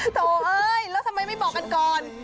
โอ้โฮโต๊ะเอ๊ยแล้วทำไมไม่บอกกันก่อน